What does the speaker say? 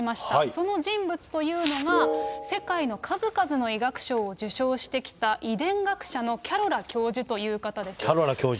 その人物というのが、世界の数々の医学賞を受賞してきた遺伝学者のキャロラ教授というキャロラ教授。